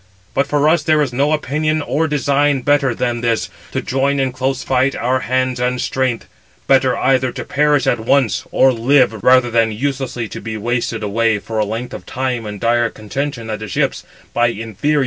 But for us there is no opinion or design better than this, to join in close fight our hands and strength. Better, either to perish at once, or live, rather than thus uselessly to be wasted away 497 for a length of time in dire contention at the ships, by inferior men."